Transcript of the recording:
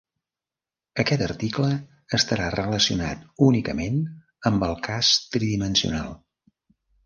Aquest article estarà relacionat únicament amb el cas tridimensional.